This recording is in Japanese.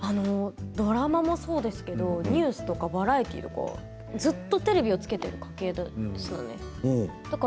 ドラマもそうですけどニュースとか、バラエティーとかずっとテレビをつけている家庭でしたね。